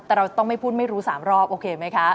แต่เราต้องไม่พูดไม่รู้๓รอบโอเคไหมคะ